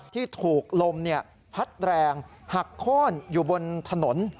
ที่ถูกลมพัดแรงหักโค้นอยู่บนถนน